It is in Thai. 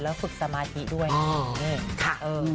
แล้วฝึกสมาธิด้วยนะคะ